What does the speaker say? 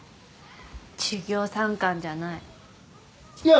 授業参観じゃないいや